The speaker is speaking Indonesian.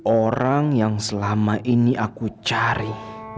orang yang selama ini aku cari